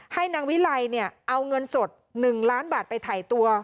ให้นางวิไลเอาเงินสด๑ล้านบาทไปถ่ายตัว